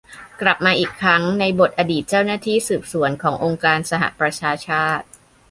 กลับมาอีกครั้งในบทอดีตเจ้าหน้าที่สืบสวนขององค์การสหประชาชาติ